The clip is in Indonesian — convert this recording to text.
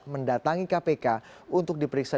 mendatangi kpk untuk diperiksa